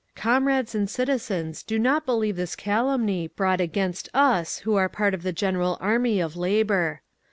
"Comrades and citizens, do not believe this calumny, brought against us, who are part of the general army of labour.